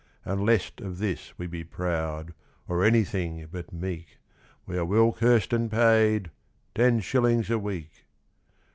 "And lest of this we be proud Or anything but meek, We are well cursed and paid— Ten shillings a week!"